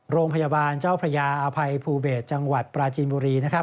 โรงพยาบาลเจ้าพระยาอภัยภูเบศจังหวัดปราจีนบุรีนะครับ